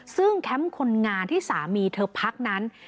ซึ่งแคมป์คนงานที่สามีเธอพักนั้น